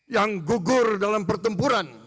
yang gugur dalam pertempuran